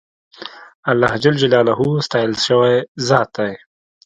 اللهﷻ ستایل سوی ذات دی.